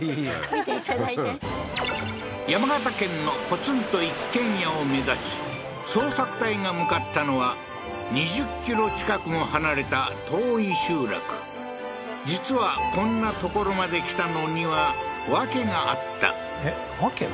見ていただいて山形県のポツンと一軒家を目指し捜索隊が向かったのは２０ｋｍ近くも離れた遠い集落実はこんな所まで来たのには訳があったえっ訳が？